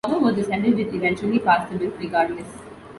However, the Senate did eventually pass the bill, regardless.